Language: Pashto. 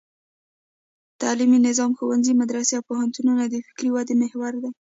تعلیمي نظام: ښوونځي، مدرسې او پوهنتونونه د فکري ودې محور دي.